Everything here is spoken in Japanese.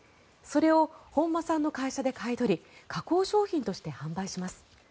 それを本間さんの会社で買い取り加工商品として販売します。